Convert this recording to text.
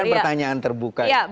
ini kan pertanyaan terbuka